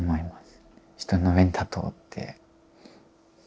人の上に立とうって。